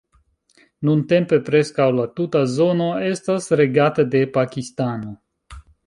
Nuntempe preskaŭ la tuta zono estas regata de Pakistano.